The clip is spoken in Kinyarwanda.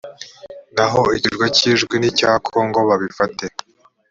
naho ikirwa k ijwi ni icya congo babifate